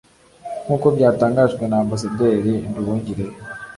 nk’uko byatangajwe na Ambasaderi Nduhungirehe